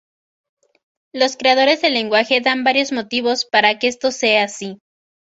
Los creadores del lenguaje dan varios motivos para que esto sea así.